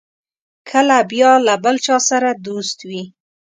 کله بیا له بل چا سره دوست وي.